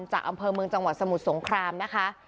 จากอำเภอเมืองจังหวัดสมุทรสงครามนะคะ